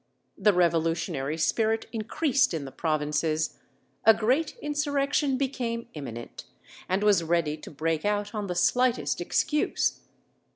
The revolutionary spirit increased in the provinces, a great insurrection became imminent, and was ready to break out on the slightest excuse.